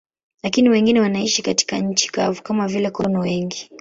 Lakini wengine wanaishi katika nchi kavu, kama vile konokono wengi.